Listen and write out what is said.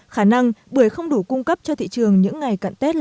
khả năng bưởi không đủ cung cấp cho thị trường những ngày cận tết là rất cao